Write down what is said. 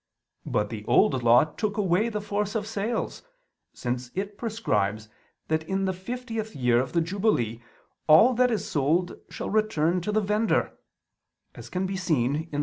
But the Old Law took away the force of sales; since it prescribes that in the 50th year of the jubilee all that is sold shall return to the vendor (Lev.